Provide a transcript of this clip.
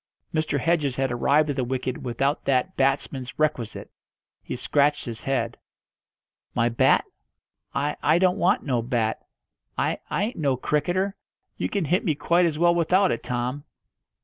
Mr. Hedges had arrived at the wicket without that batsman's requisite. He scratched his head. "My bat? I I don't want no bat. I I ain't no cricketer. You can hit me quite as well without it, Tom."